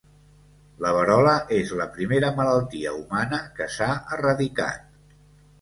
La verola és la primera malaltia humana que s'ha erradicat.